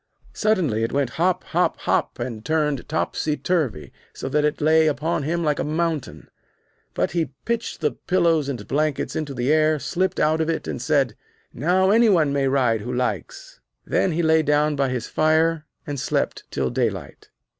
Suddenly it went hop, hop, hop, and turned topsy turvy, so that it lay upon him like a mountain. But he pitched the pillows and blankets into the air, slipped out of it, and said: 'Now any one may ride who likes.' Then he lay down by his fire and slept till daylight.